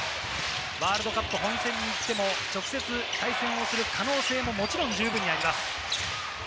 ワールドカップ本戦に行っても直接対戦をする可能性も十分にあります。